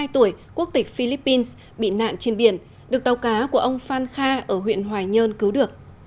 hai mươi tuổi quốc tịch philippines bị nạn trên biển được tàu cá của ông phan kha ở huyện hoài nhơn cứu được